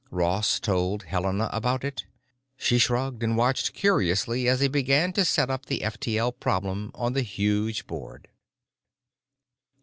Ross told Helena about it. She shrugged and watched curiously as he began to set up the F T L problem on the huge board.